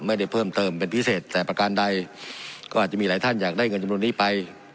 ไม่ได้เพิ่มเติมเป็นพิเศษแต่ประการใดก็อาจจะมีหลายท่านอยากได้เงินจำนวนนี้ไป